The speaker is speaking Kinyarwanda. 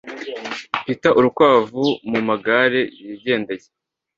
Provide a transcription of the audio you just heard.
peter urukwavu mumagare yigendeye